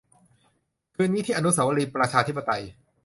คืนนี้ที่อนุสาวรีย์ประชาธิปไตย